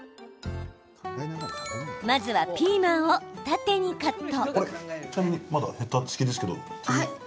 まずはピーマンを縦にカット。